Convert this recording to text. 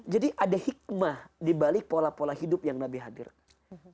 jadi ada hikmah dibalik pola pola hidup yang nabi hadirkan